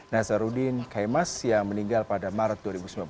nazarudin kaimas yang meninggal pada maret dua ribu sembilan belas